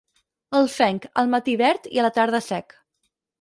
El fenc, al matí verd i a la tarda sec.